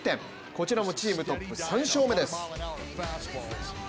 こちらもチームトップ３勝目です。